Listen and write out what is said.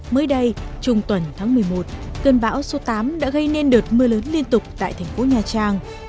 mới đây trung tuần tháng một mươi một cơn bão số tám đã gây nên đợt mưa lớn liên tục tại thành phố nha trang